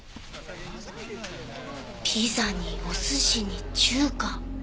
ピザにお寿司に中華。